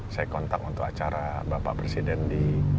saya kontak untuk acara bapak presiden di